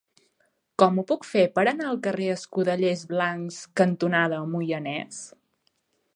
Com ho puc fer per anar al carrer Escudellers Blancs cantonada Moianès?